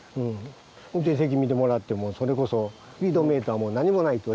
運転席見てもらってもそれこそスピードメーターも何もないという。